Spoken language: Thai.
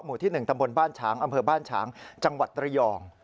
ที่๑ตำบลบ้านฉางอำเภอบ้านฉางจังหวัดระยอง